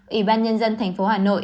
ủy ban nhân dân tp hà nội